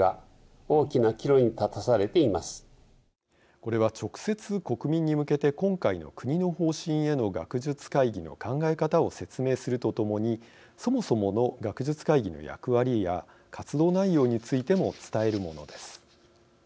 これは、直接国民に向けて今回の国の方針への学術会議の考え方を説明するとともにそもそもの学術会議の役割や活動内容についても伝えるものです。